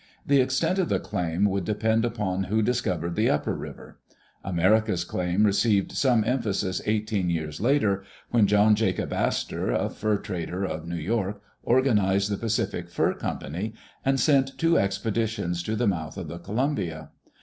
The extent of the claim would depend upon who dis covered the upper river. America's claim received some emphasis eighteen years later, when John Jacob Astor, a fur trader of New York, organized the Pacific Fur Company, and sent two expeditions to the mouth of the Columbia.